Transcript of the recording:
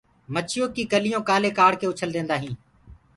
مڇيو ڪي ڪليو ڪآلي ڪآڙڪي اُڇل ديندآ هين